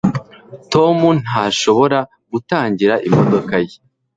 tom ntashobora gutangira imodoka ye